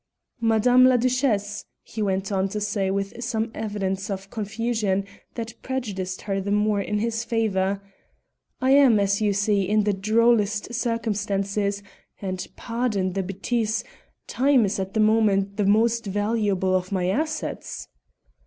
"Madame la Duchesse," he went on to say with some evidence of confusion that prejudiced her the more in his favour, "I am, as you see, in the drollest circumstances, and pardon the bêtise time is at the moment the most valuable of my assets."